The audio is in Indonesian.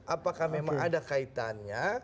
apakah memang ada kaitannya